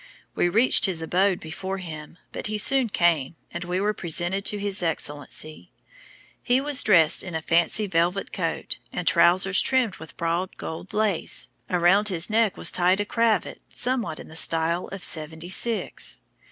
We reached his abode before him, but he soon came, and we were presented to his excellency. He was dressed in a fancy velvet coat, and trousers trimmed with broad gold lace; around his neck was tied a cravat somewhat in the style of seventy six.